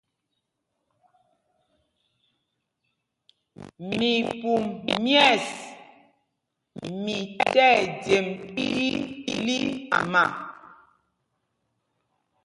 Mipum myɛ̂ɛs, mi tí ɛjem ílima.